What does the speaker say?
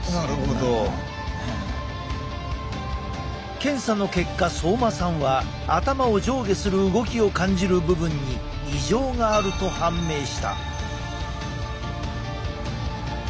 検査の結果相馬さんは頭を上下する動きを感じる部分に異常があると判明した。